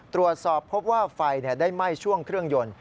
ตรวจสอบพบว่าไฟได้ไหม้ช่วงเครื่องยนต์